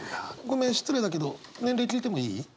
ごめん失礼だけど年齢聞いてもいい？